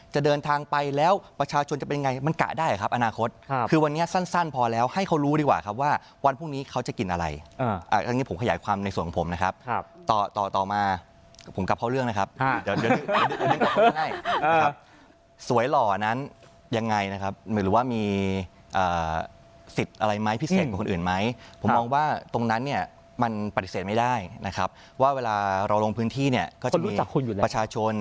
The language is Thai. จะเดินทางไปแล้วประชาชนจะเป็นยังไงมันกะได้ครับอนาคตคือวันนี้สั้นพอแล้วให้เขารู้ดีกว่าครับว่าวันพรุ่งนี้เขาจะกินอะไรอันนี้ผมขยายความในส่วนของผมนะครับต่อต่อมาผมกลับเข้าเรื่องนะครับสวยหล่อนั้นยังไงนะครับหรือว่ามีสิทธิ์อะไรไหมพิเศษกว่าคนอื่นไหมผมมองว่าตรงนั้นเนี่ยมันปฏิเสธไม่ได้นะครับว่าเวลาเราลงพื้นที่เนี่ยก็จะมีประชาชน